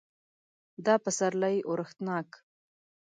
دا پسرلی اورښتناک